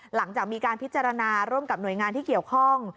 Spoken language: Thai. หลังจากมีการพิจารณาร่วมกับหน่วยงานที่เกี่ยวข้อง